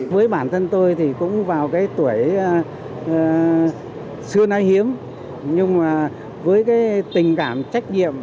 với bản thân tôi thì cũng vào cái tuổi xưa nay hiếm nhưng mà với cái tình cảm trách nhiệm